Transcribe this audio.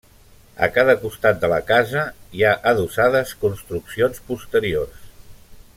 A cada costat de la casa hi ha adossades construccions posteriors.